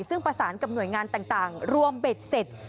ซึ่งประสานกับหน่วยงานต่างรวมเบ็ดเสร็จ